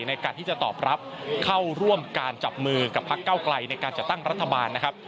ในการที่จะตอบรับเข้าร่วมการจับมือกับพักเก้าไกลในการจัดตั้งรัฐบาลนะครับ